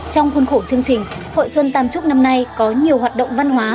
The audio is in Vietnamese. trong khuôn khổ chương trình hội xuân tam trúc năm nay có nhiều hoạt động văn hóa